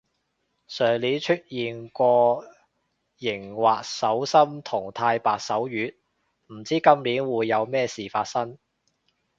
上年出現過熒惑守心同太白守月，唔知今年會有咩事發生